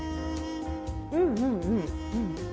うんうんうんうん。